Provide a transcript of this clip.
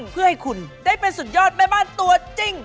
เพื่อให้คุณได้เป็นสุดยอดแม่บ้านตัวจริง